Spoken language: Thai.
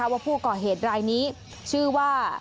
ว่าผู้ก่อเหตุรายนี้ชื่อว่า